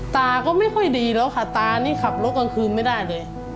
ตาก็ไม่ค่อยดีแล้วค่ะตานี่ขับรถกลางคืนไม่ได้เลย